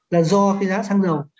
là do cái giá xăng dầu